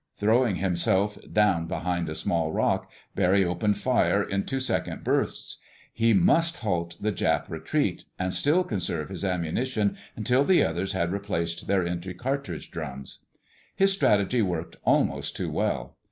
Throwing himself down behind a small rock, Barry opened fire in two second bursts. He must halt the Jap retreat, and still conserve his ammunition until the others had replaced their empty cartridge drums. His strategy worked almost too well.